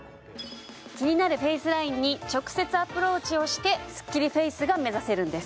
気になるフェイスラインに直接アプローチをしてスッキリフェイスが目指せるんです